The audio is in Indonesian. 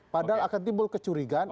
padahal akan timbul kecurigaan